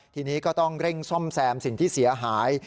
ทีนี้ก็ต้องเร่งซ่อมแซมสิ่งที่เสียหาย